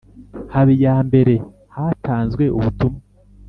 habiyambere, hatanzwe ubutumwa